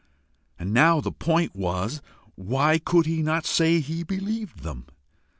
And now the point was WHY could he not say he believed them?